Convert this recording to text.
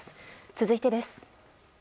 続いてです。